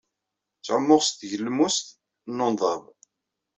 Ttɛumuɣ s tgelmust n unḍab.